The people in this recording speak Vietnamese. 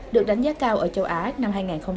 đó là một đánh giá cao ở châu á năm hai nghìn một mươi bảy